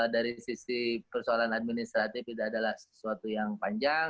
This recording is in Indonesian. dari sisi persoalan administratif itu adalah sesuatu yang panjang